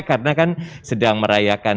karena kan sedang merayakan